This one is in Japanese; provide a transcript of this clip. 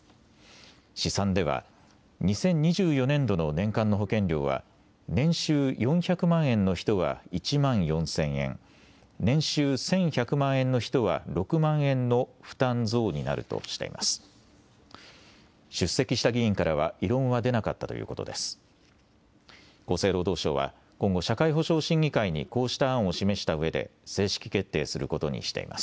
試算では２０２４年度の年間の保険料は年収４００万円の人は１万４０００円、年収１１００万円の人は６万円の負担増になるとしています。